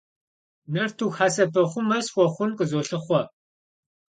Нартыху хьэсэпэхъумэ схуэхъун къызолъыхъуэ.